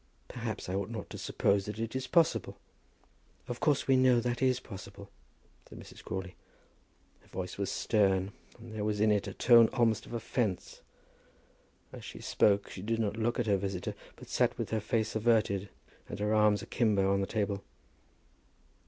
Perhaps I ought not to suppose that it is possible." "Of course we know that is possible," said Mrs. Crawley. Her voice was stern, and there was in it a tone almost of offence. As she spoke she did not look at her visitor, but sat with her face averted and her arms akimbo on the table.